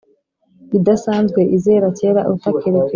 idasanzwe izera cyera utakiri ku isi